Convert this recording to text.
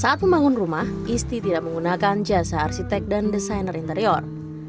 saat membangun rumah isti tidak menggunakan jasa arsitek dan desainer interior